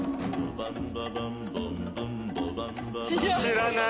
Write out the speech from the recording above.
知らない。